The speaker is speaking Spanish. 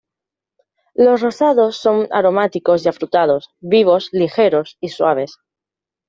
Los rosados son aromáticos y afrutados, vivos, ligeros y suaves.